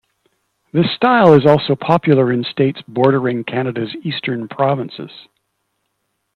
This style is also popular in states bordering Canada's Eastern provinces.